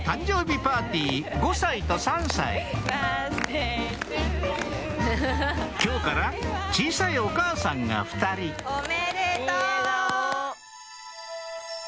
バースデートゥーユー今日から小さいお母さんが２人・おめでとう！